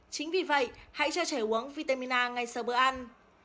chính vì vậy hãy cho trẻ uống vitamin a ngay sau bữa ăn